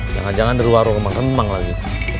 jangan jangan di luar rumah dia kememang lagi